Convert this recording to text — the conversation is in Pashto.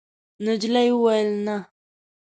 نجلۍ وویل: «نه.»